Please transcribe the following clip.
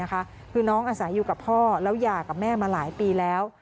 คือน้องอาศัยอยู่กับพ่อแล้วหย่ากับแม่มาหลายปีแล้ว